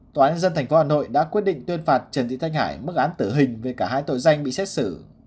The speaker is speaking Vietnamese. tòa án dân thành phố hà nội đã quyết định tuyên phạt trần thị thanh hải mức án tử hình về cả hai tội danh bị xét xử